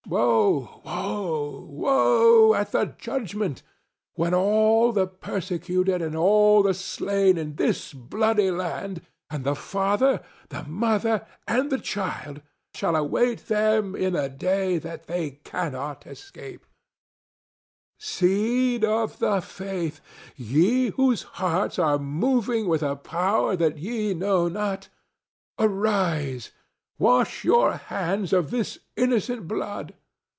Woe, woe, woe, at the judgment, when all the persecuted and all the slain in this bloody land, and the father, the mother and the child, shall await them in a day that they cannot escape! Seed of the faith, seed of the faith, ye whose hearts are moving with a power that ye know not, arise, wash your hands of this innocent blood!